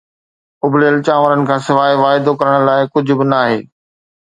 اُبليل چانورن کان سواءِ واعدو ڪرڻ لاءِ ڪجهه به ناهي